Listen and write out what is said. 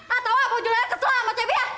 atau apa bu juliana kesel sama cepi ya